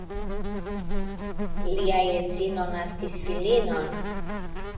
Li edzino naskis filinon.